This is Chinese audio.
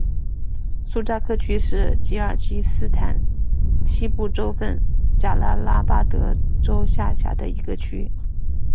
苏扎克区是吉尔吉斯斯坦西部州份贾拉拉巴德州下辖的一个区。